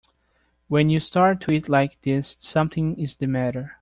When you start to eat like this something is the matter.